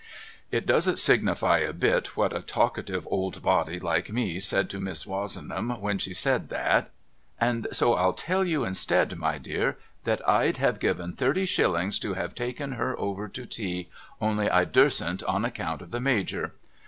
It doesn't signify a bit what a talkative old body like me said to Miss Wozenham when she said that, and so I'll tell you instead my dear that I'd have given thirty shillings to have taken her over to tea, only I durstn't on account of the Major.